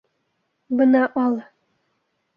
Бына ал.